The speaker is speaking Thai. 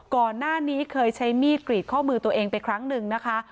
ก่อนหน้านี้เคยใช้มีดกรีดข้อมือตัวเองไปครั้งหนึ่งนะคะ